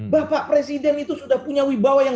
bapak presiden itu sudah punya wibawa yang